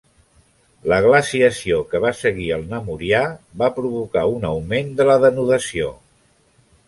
La glaciació que va seguir al namurià va provocar un augment de la denudació.